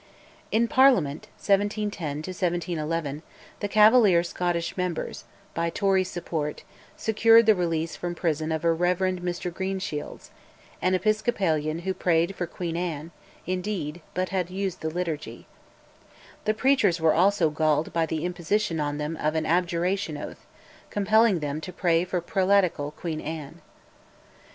In Parliament (1710 1711) the Cavalier Scottish members, by Tory support, secured the release from prison of a Rev. Mr Greenshields, an Episcopalian who prayed for Queen Anne, indeed, but had used the liturgy. The preachers were also galled by the imposition on them of an abjuration oath, compelling them to pray for prelatical Queen Anne.